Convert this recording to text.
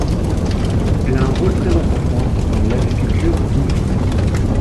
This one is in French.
Elle a un rôle très important dans l'agriculture vivrière.